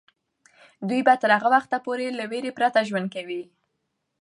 دوی به تر هغه وخته پورې له ویرې پرته ژوند کوي.